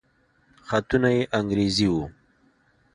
خطونه يې انګريزي وو.